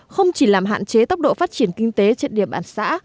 không chỉ làm hạn chế tốc độ phát triển kinh tế trận địa bàn xã